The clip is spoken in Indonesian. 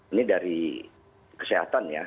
ini dari kesehatan ya